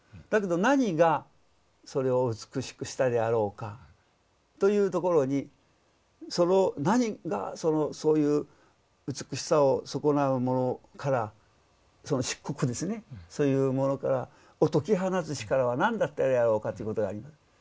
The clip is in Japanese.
だけど何がそれを美しくしたであろうかというところにその何がそういう美しさを損なうものから桎梏ですねそういうものから解き放つ力は何だったであろうかということがあります。